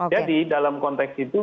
jadi dalam konteks itu